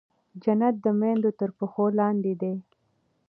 جنت د مېندو تر پښو لاندې دی.